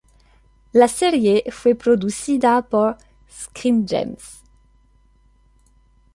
La serie fue producida por Screen Gems.